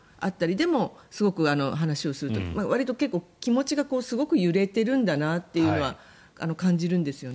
でも、すごく話をするとわりと結構気持ちがすごく揺れているんだなというのは感じるんですよね。